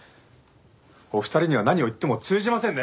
お二人には何を言っても通じませんね。